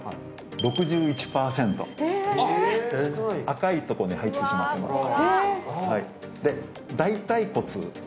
赤いところに入ってしまってます